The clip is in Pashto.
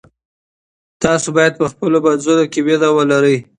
تاسو باید په خپلو منځونو کې مینه ولرئ.